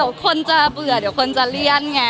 ค่ะขนจะเบื่อขนจะเลี้ยน